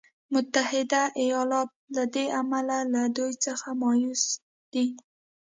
متحده ایالات له دې امله له دوی څخه مایوس دی.